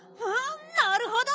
なるほど！